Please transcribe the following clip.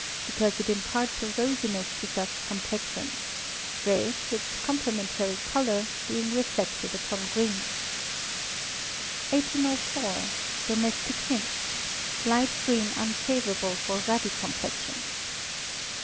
_ Because it imparts a rosiness to such complexions red, its complementary colour, being reflected upon green. 1804. Domestic Hints (Light Green Unfavourable for Ruddy Complexions).